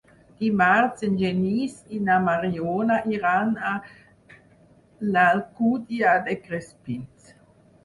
Dimarts en Genís i na Mariona iran a l'Alcúdia de Crespins.